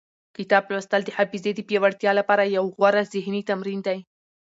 کتاب لوستل د حافظې د پیاوړتیا لپاره یو غوره ذهني تمرین دی.